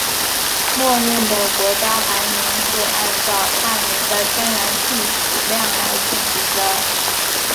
默认的国家排名是按照探明的天然气储量来进行的。